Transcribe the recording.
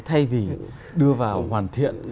thay vì đưa vào hoàn thiện